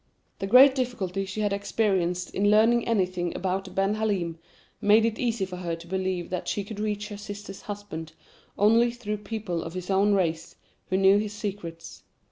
The great difficulty she had experienced in learning anything about Ben Halim made it easy for her to believe that she could reach her sister's husband only through people of his own race, who knew his secrets.